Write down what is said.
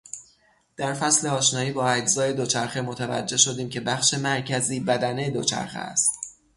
در فصل آشنایی با اجزای دوچرخه متوجه شدیم که بخش مرکزی، بدنه دوچرخه است.